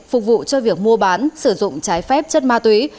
phục vụ cho việc mua bán sử dụng trái phép chất ma túy